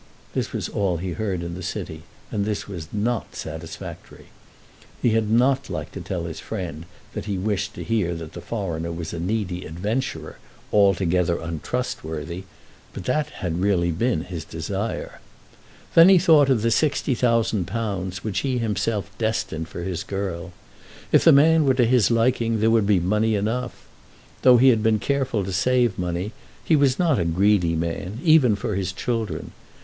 This was all he heard in the city, and this was not satisfactory. He had not liked to tell his friend that he wished to hear that the foreigner was a needy adventurer, altogether untrustworthy; but that had really been his desire. Then he thought of the £60,000 which he himself destined for his girl. If the man were to his liking there would be money enough. Though he had been careful to save money, he was not a greedy man, even for his children.